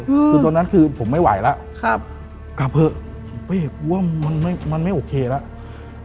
อืมคือตอนนั้นคือผมไม่ไหวแล้วครับกลับเถอะไม่เห็นว่ามันไม่มันไม่โอเคแล้ว